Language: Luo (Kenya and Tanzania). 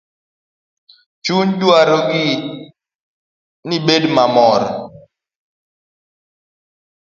Chunya dwaro ni ibed gi mor